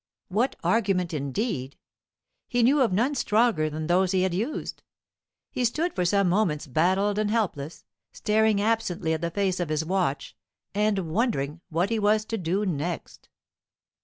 What argument, indeed? He knew of none stronger than those he had used. He stood for some moments battled and helpless, staring absently at the face of his watch, and wondering what he was to do next.